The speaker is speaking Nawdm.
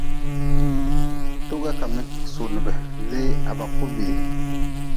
Toga ka mi sunibi lee ha ba ku bii.